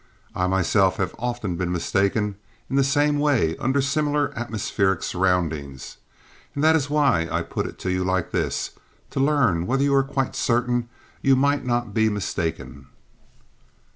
I have myself been often mistaken in the same way under similar atmospheric surroundings and that is why I put it to you like this, to learn whether you are quite certain you might not be mistaken?"